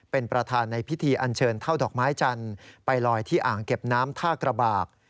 เป็นประธานในพิธีอันเชิญเท่าดอกไม้จันทร์ไปลอยที่อ่างเก็บน้ำท่ากระบาก